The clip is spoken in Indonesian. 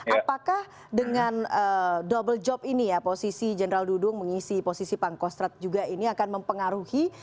apakah dengan double job ini ya posisi general dudung mengisi posisi pangkostrat juga ini akan mempengaruhi